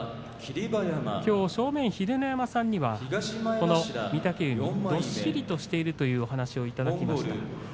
きょう正面、秀ノ山さんにはこの御嶽海どっしりしているという話をいただきました。